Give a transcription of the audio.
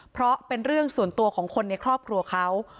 เพราะเป็นเรื่องส่วนตัวของคนในครอบครัวเขา